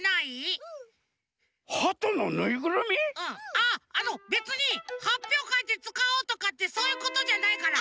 ああのべつにはっぴょうかいでつかおうとかってそういうことじゃないから！